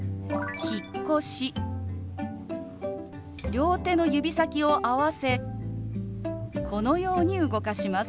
両手の指先を合わせこのように動かします。